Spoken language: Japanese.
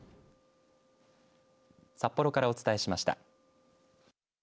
札幌からお伝えしました。